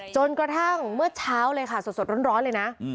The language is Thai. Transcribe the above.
จนกระทั่งเมื่อเช้าเลยค่ะสดร้อนเลยนะ